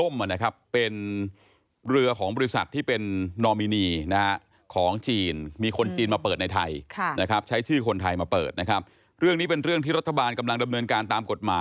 ไม่ว่าถ้าใครก็ตาม